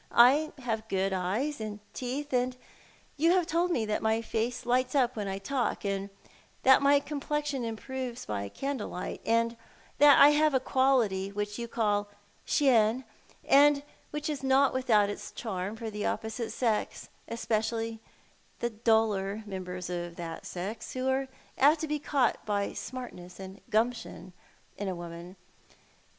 I have good eyes and teeth, and you have told me that my face lights up when I talk, that my complexion improves by candle light, and that I have a quality which you call "chien," and which is not without its charm for the opposile sex, cs])ecially the duller members of that sex, who arc apt to be caught by A Mariage de Convenance. 27 smartness aud gumption in a woman.